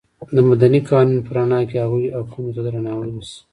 د مدني قوانینو په رڼا کې هغوی حقونو ته درناوی وشي.